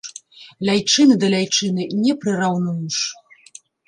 Ляйчыны да ляйчыны не прыраўнуеш.